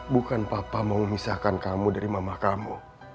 bukan papa mau memisahkan kamu dari mama kamu